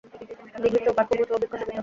দিঘীর চৌপাড় খুব উঁচু ও বৃক্ষ শোভিত।